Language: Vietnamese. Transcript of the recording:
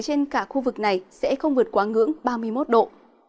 nhiệt độ ba ngày tới trên cả khu vực này sẽ không vượt quá ngưỡng ba mươi một độ